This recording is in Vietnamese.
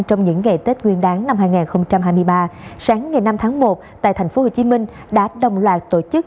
trong những ngày tết nguyên đáng năm hai nghìn hai mươi ba sáng ngày năm tháng một tại tp hcm đã đồng loạt tổ chức